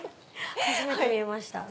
初めて見ました。